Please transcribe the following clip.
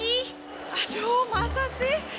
aduh masa sih